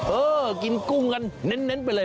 เออกินกุ้งกันเน้นไปเลย